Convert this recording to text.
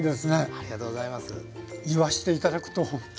ありがとうございます。